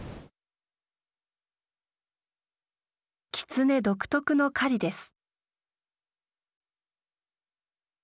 キツネ独特の狩りです。